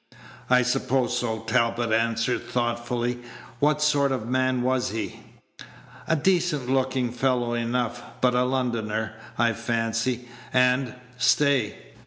"I suppose so," Talbot answered, thoughtfully; "what sort of a man was he?" "A decent looking fellow enough; but a Londoner, I fancy, and stay!"